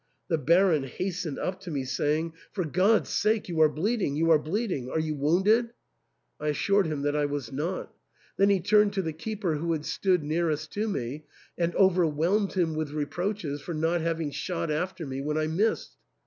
The Baron hastened up to me, saying, For God's 252 THE ENTAIL. sake, you are bleeding — you are bleeding. Are you wounded ?" I assured him that I was not Then he turned to the keeper who had stood nearest to me, and overwhelmed him with reproaches for not having shot after me when I missed.